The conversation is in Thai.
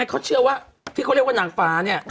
ที่เขาเรียกว่าหนังฟ้านี่